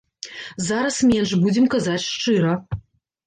Зараз менш, будзем казаць шчыра.